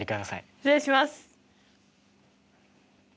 失礼します。